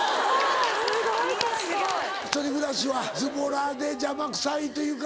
・すごい賢い・１人暮らしはズボラで邪魔くさいというか。